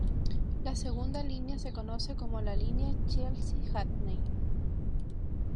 La segunda línea se conoce como la línea Chelsea-Hackney.